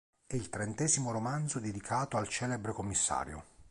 È il trentesimo romanzo dedicato al celebre commissario.